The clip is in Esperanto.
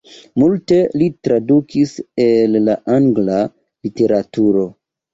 Multe li tradukis el la angla literaturo.